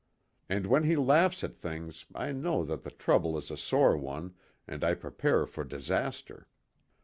And when he laughs at things I know that the trouble is a sore one, and I prepare for disaster.